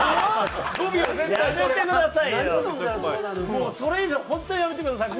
もうそれ以上本当にやめてください。